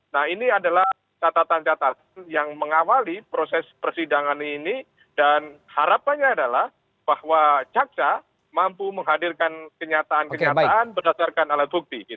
nah ini adalah catatan catatan yang mengawali proses persidangan ini dan harapannya adalah bahwa caksa mampu menghadirkan kenyataan kenyataan berdasarkan alat bukti